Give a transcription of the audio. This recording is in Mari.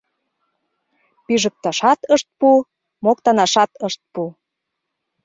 Пижыкташат ышт пу, моктанашат ышт пу.